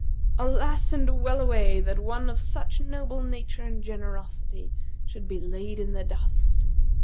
Alas, and well away, that one of such noble nature and generosity should be laid in the dust!'